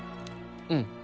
うん。